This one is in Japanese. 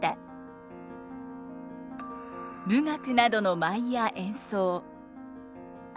舞楽などの舞や演奏。